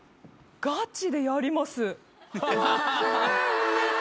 ガチでやります。